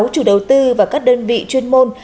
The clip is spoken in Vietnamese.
chủ đầu tư và các đơn vị chuyên môn